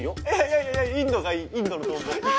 いやいやインドがいいインドのトンボ。